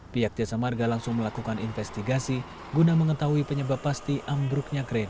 pihak tia samarga langsung melakukan investigasi guna mengetahui penyebab pasti ambruknya kren